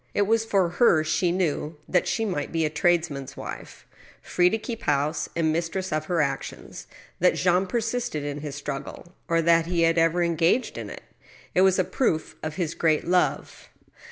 It was for her she knew — that she might be a tradesman's wife, free to keep house and mistress of her actions — ^that Jean persisted in his struggle, or that he had ever engaged in it. It was a proof of his great love.